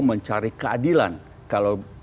mencari keadilan kalau